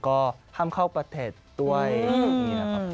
ก็ห้ามเข้าประเทศตัวอย่างนี้นะครับผม